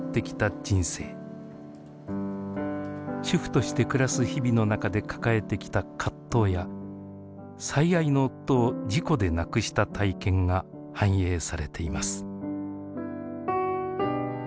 主婦として暮らす日々の中で抱えてきた葛藤や最愛の夫を事故で亡くした体験が反映されています。